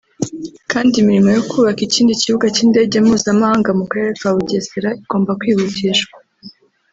kandi imirimo yo kubaka ikindi kibuga cy’indege mpuzamahanga mu karere ka Bugesera igomba kwihutishwa